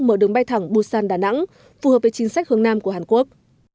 mở đường bay thẳng busan đà nẵng phù hợp với chính sách hướng nam của hàn quốc